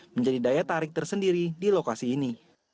menjadi daya tarik tersendiri di lokasi ini